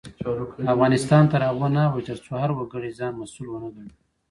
افغانستان تر هغو نه ابادیږي، ترڅو هر وګړی ځان مسؤل ونه ګڼي.